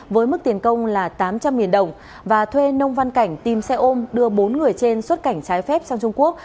với mức tiền công là tám trăm linh đồng và thuê nông văn cảnh tìm xe ôm đưa bốn người trên xuất cảnh trái phép sang trung quốc